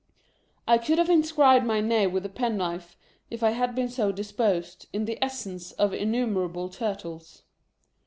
I could have inscribed my name with a pen knife, if I had been so dis posed, in the essence of innumerable Turtles.